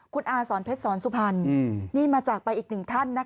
คุณอาสอนเพชรสอนสุพรรณนี่มาจากไปอีกหนึ่งท่านนะคะ